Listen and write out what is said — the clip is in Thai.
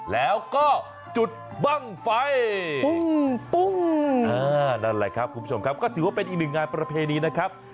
แล้วก็จุดบ้างไฟปุ้งปุ้งนั่นแหละครับคุณผู้ชมครับก็ถือว่าเป็นอีกหนึ่งงานประเพณีนะครับ